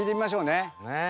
ねえ。